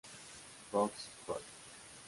Box score